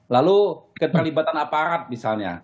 lalu keterlibatan aparat misalnya